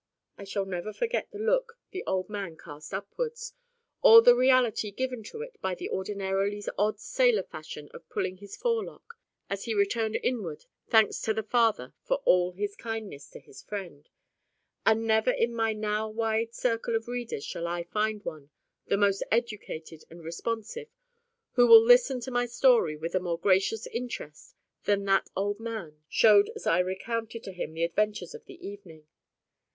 I shall never forget the look the old man cast upwards, or the reality given to it by the ordinarily odd sailor fashion of pulling his forelock, as he returned inward thanks to the Father of all for His kindness to his friend. And never in my now wide circle of readers shall I find one, the most educated and responsive, who will listen to my story with a more gracious interest than that old man showed as I recounted to him the adventures of the evening.